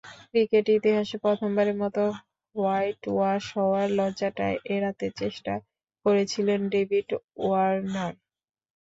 Cricket ইতিহাসে প্রথমবারের মতো হোয়াইটওয়াশ হওয়ার লজ্জাটা এড়াতে চেষ্টা করেছিলেন ডেভিড ওয়ার্নার।